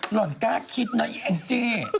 หล่อนกล้าคิดนะอีแองจี้